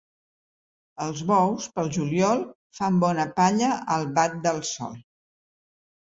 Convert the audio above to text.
Els bous, pel juliol, fan bona palla al bat del sol.